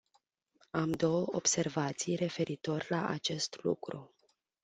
Am două observații referitor la acest lucru.